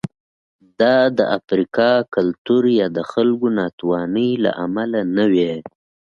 دا د افریقايي کلتور یا د خلکو ناتوانۍ له امله نه وې.